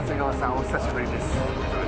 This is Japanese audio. お久しぶりです。